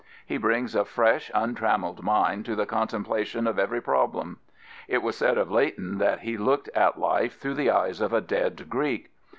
He brings a fresh, un trammelled mind to the contemplation of every problem. It was said of Leighton that he looked at life through the eyes of a dead Greek.